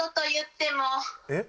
えっ？